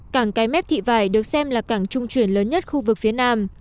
cảng cái mép thị vải được xem là cảng trung chuyển lớn nhất khu vực phía nam